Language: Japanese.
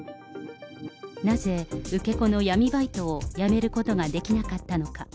なぜ、受け子の闇バイトをやめることができなかったのか。